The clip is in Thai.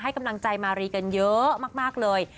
กำลังใจมารีกันเยอะมากเลย